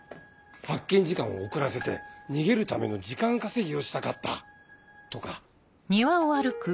発見時間を遅らせて逃げるための時間稼ぎをしたかったとか？